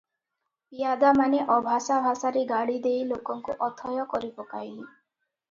ପିଆଦାମାନେ ଅଭାଷା ଭାଷାରେ ଗାଳିଦେଇ ଲୋକଙ୍କୁ ଅଥୟ କରି ପକାଇଲେ ।